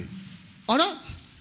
あら？